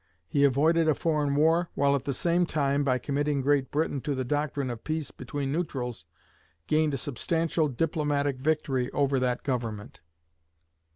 He avoided a foreign war, while at the same time, by committing Great Britain to the doctrine of "peace between neutrals," gained a substantial diplomatic victory over that government.